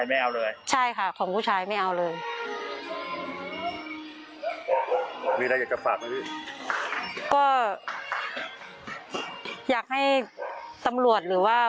มันจะไม่ใช่ของที่แบบมีค่าพี่แต่ว่า